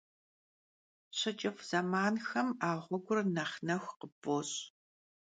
Şıç'ıf' zemanxem a ğuegur nexh nexu khıpf'oş'.